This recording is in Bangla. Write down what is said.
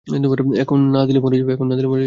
এখন না দিলে মরে যাবে।